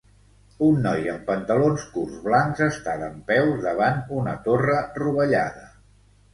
Un noi amb pantalons curts blancs està dempeus davant una torre rovellada.